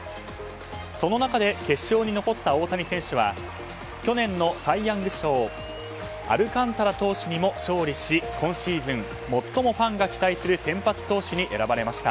その中で決勝に残った大谷選手は去年のサイ・ヤング賞アルカンタラ投手にも勝利し今シーズン最もファンが期待する先発投手に選ばれました。